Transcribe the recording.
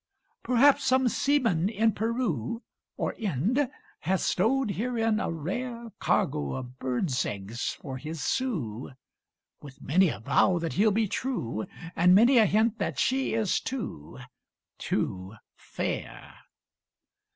Perhaps some seaman, in Peru Or Ind, hath stowed herein a rare Cargo of birds' eggs for his Sue; With many a vow that he'll be true, And many a hint that she is too Too fair.